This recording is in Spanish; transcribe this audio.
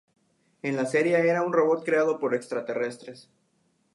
En la serie era un robot creado por extraterrestres.